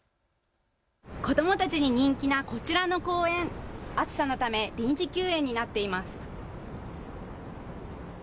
子どもたちに人気なこちらの公園、暑さのため臨時休園になっています。